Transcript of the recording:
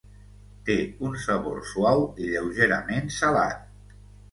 Té un sabor suau i lleugerament salat.